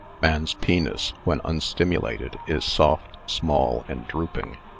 Man's penis, when unstimu lated, is soft, small and drooping.